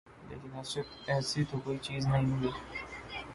لیکن ایسی تو کوئی چیز نہیں ہوئی۔